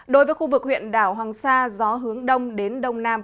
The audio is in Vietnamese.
đối với khu vực huyện đảo hoàng sa gió hướng đông đến đông nam